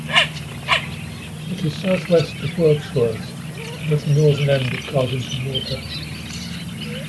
It is south west of Wirksworth and at the northern end of Carsington Water.